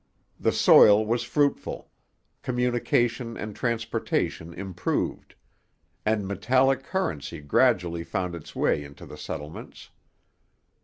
The soil was fruitful; communication and transportation improved; and metallic currency gradually found its way into the settlements.